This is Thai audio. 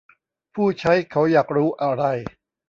ผู้ใช้เขาอยากรู้อะไร